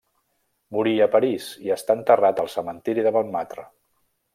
Morí a París, i està enterrat al cementiri de Montmartre.